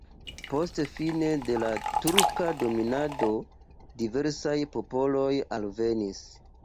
Post fine de la turka dominado diversaj popoloj alvenis.